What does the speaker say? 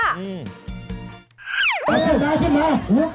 เฮ้ยเหย่คุณพูดถึงเกี่ยวกันไหมครับ